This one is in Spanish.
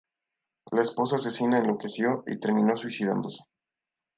La esposa asesina enloqueció y terminó suicidándose.